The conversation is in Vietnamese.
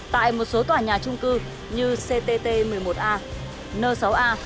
tại một số tòa nhà trung cư như ctt một mươi một a n sáu a